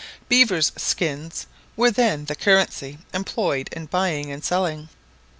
Beavers' skins were then the currency employed in buying and selling.